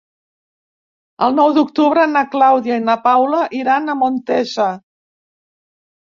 El nou d'octubre na Clàudia i na Paula iran a Montesa.